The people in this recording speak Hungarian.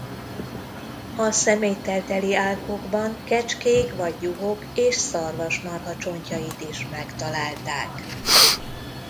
A szeméttel teli árkokban kecskék vagy juhok és szarvasmarha csontjait is megtalálták.